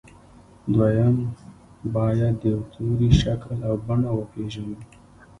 دويم بايد د يوه توري شکل او بڼه وپېژنو.